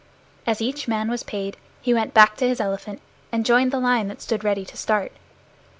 As each man was paid he went back to his elephant, and joined the line that stood ready to start.